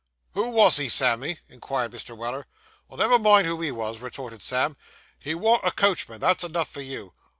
'Who wos he, Sammy?' inquired Mr. Weller. 'Never mind who he was,' retorted Sam; 'he warn't a coachman; that's enough for you.